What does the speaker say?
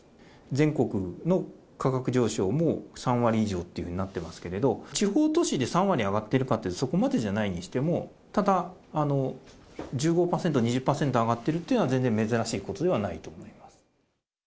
全国の価格上昇も３割以上っていうふうになってますけれど、地方都市で３割上がってるかっていうと、そこまでじゃないにしても、ただ、１５％、２０％上がってるっていうのは全然珍しいことではないと思います。